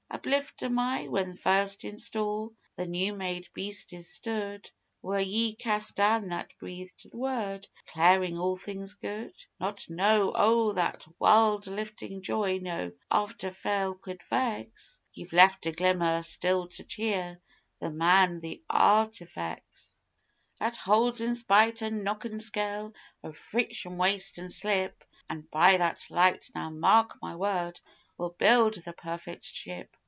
Uplift am I? When first in store the new made beasties stood, Were Ye cast down that breathed the Word declarin' all things good? Not so! O' that warld liftin' joy no after fall could vex, Ye've left a glimmer still to cheer the Man the Arrtifex! That holds, in spite o' knock and scale, o' friction, waste an' slip, An' by that light now, mark my word we'll build the Perfect Ship.